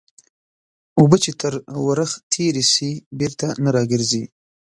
اوبه چې تر ورخ تېري سي بېرته نه راګرځي.